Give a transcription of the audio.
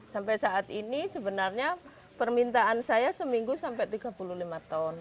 sampai saat ini sebenarnya permintaan saya seminggu sampai tiga puluh lima tahun